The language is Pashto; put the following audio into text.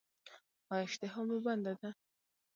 ایا اشتها مو بنده ده؟